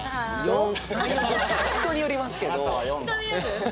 人によりますけど。